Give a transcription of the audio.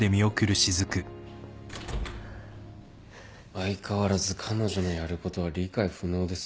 相変わらず彼女のやることは理解不能です。